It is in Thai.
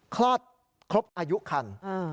คลอดครบอายุคัน